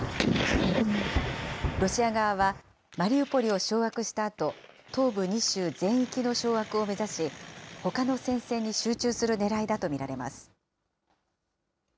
ロシア側は、マリウポリを掌握したあと、東部２州全域の掌握を目指し、ほかの戦線に集中するねらいだと見られます。